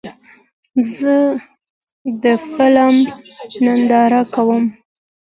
زه د فلم ننداره کوم.